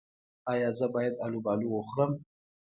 ایا زه باید الوبالو وخورم؟